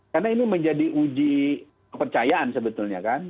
karena ini menjadi uji kepercayaan sebetulnya kan